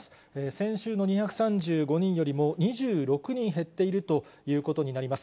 先週の２３５人よりも２６人減っているということになります。